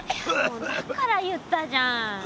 もうだから言ったじゃん。